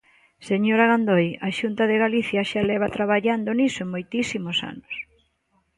Señora Gandoi, a Xunta de Galicia xa leva traballando niso moitísimos anos.